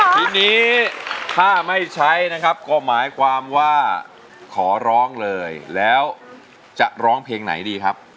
ทีนี้ถ้าไม่ใช้นะครับก็หมายความว่าขอร้องเลยแล้วจะร้องเพลงไหนดีครับ